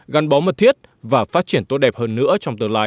gắn bó mật thiết và phát triển tốt đẹp hơn nữa trong tương lai